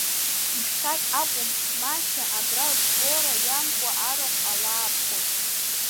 Жәхьак акәым, Машьа, абра ббора иамкуа арахә алаабхәоит.